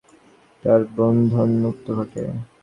তার বন্ধনমুক্তি ঘটে।